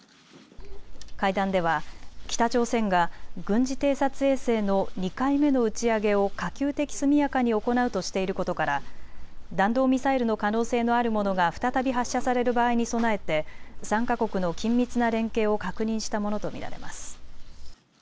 会談では北朝鮮が軍事偵察衛星の２回目の打ち上げを可及的速やかに行うとしていることから弾道ミサイルの可能性のあるものが再び発射される場合に備えて３か国の緊密な連携を確認したものと見られます。